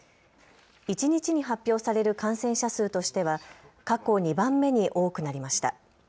一日に発表される感染者数としては過去２番目に多くなりました。